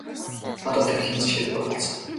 Одоо тэр хэнд ч хэрэггүй болсон.